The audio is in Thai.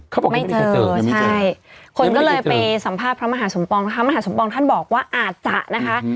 เขาบอกไม่เจอใช่คนก็เลยไปสัมภาษณ์พระมหาสมปองนะคะมหาสมปองท่านบอกว่าอาจจะนะคะ